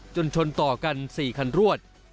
ชนต่อกัน๔คันรวด